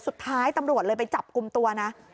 สุดท้ายตำรวจเลยไปจับกลุ่มตัวนะ